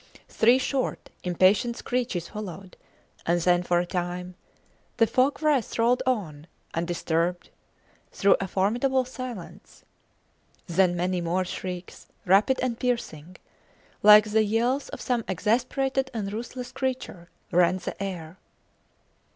Three short, impatient screeches followed, and then, for a time, the fog wreaths rolled on, undisturbed, through a formidable silence. Then many more shrieks, rapid and piercing, like the yells of some exasperated and ruthless creature, rent the air.